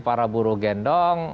para buruh gendong